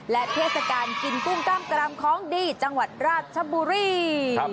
และเทศกาลกินกุ้งกล้ามกตรำของดีจังหวัดราชบุรี